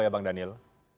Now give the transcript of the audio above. ya bang daniel